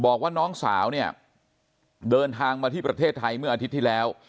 บอกว่าน้องสาวเนี่ยเดินทางมาที่ประเทศไทยเมื่ออาทิตย์ที่แล้ว